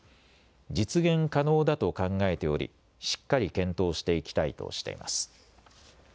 実現可能だと考えておりしっかり検討していきたいとしています。